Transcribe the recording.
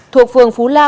thuộc phường phú la